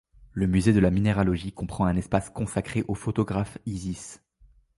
Le Musée de la minéralogie comprend un espace consacré au photographe Izis.